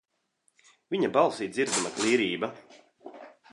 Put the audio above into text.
Viņa balsī dzirdama klīrība.